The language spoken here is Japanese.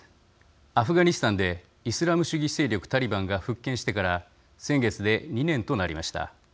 アフガニスタンでイスラム主義勢力タリバンが復権してから先月で２年となりました。